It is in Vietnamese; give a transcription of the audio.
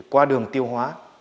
qua đường tiêu hóa